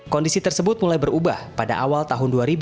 kondisi tersebut mulai berubah pada awal tahun dua ribu dua